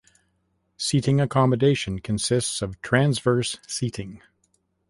Seating accommodation consists of transverse seating.